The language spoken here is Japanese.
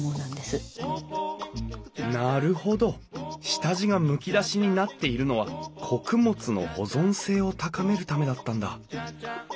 なるほど下地がむき出しになっているのは穀物の保存性を高めるためだったんだ！